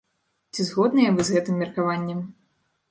Ці згодныя вы з гэтым меркаваннем?